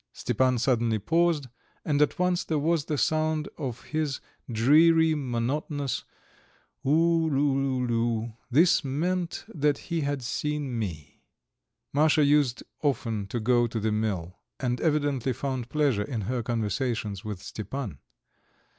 Stepan suddenly paused, and at once there was the sound of his dreary, monotonous "oo loo loo loo." This meant that he had seen me. Masha used often to go to the mill, and evidently found pleasure in her conversations with Stepan.